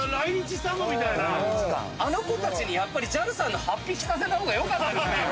あの子たちにやっぱりＪＡＬさんの法被着させた方がよかったですよね。